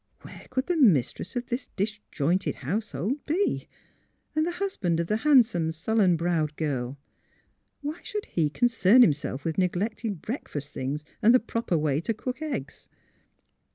Where could the mistress of this disjointed household be? And the husband of the handsome, sullen browed 126 THE HEAKT OF PHILUEA girl — why should he concern himself with neg lected breakfast things and the proper way to cook eggs